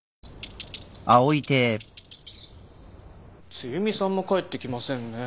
梅雨美さんも帰ってきませんね。